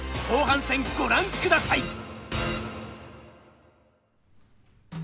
後半戦ご覧ください！